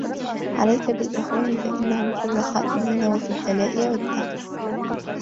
عليك بالإخوان فإنهم في الرخاء زينه وفي البلاء عُدَّةٌ